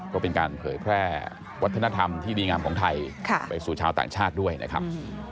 ก็เป็นการเผยแพร่วัฒนธรรมที่ดีงามของไทยไปสู่ชาวต่างชาติด้วยนะครับ